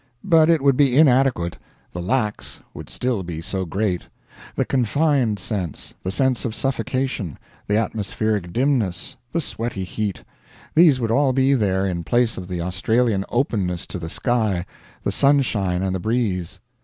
But it would be inadequate, the lacks would still be so great: the confined sense, the sense of suffocation, the atmospheric dimness, the sweaty heat these would all be there, in place of the Australian openness to the sky, the sunshine and the breeze.